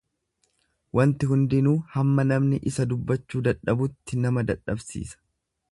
Wanti hundinuu hamma namni isa dubbachuu dadhabutti, nama dadhabsiisa;